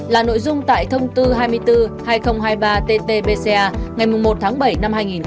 là nội dung tại thông tư hai mươi bốn hai nghìn hai mươi ba tt pca ngày một tháng bảy năm hai nghìn hai mươi ba